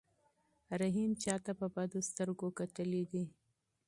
رحیم چاته په بدو سترګو کتلي دي؟